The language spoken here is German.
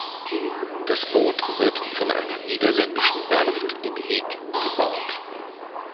Das Boot wird von einer niederländischen Werft in Heeg gebaut.